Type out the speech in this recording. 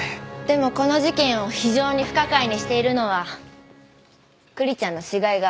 でもこの事件を非常に不可解にしているのはクリちゃんの死骸が発見された経緯です。